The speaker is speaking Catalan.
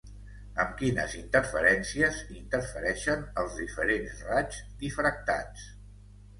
Amb quines interferències interfereixen els diferents raigs difractats?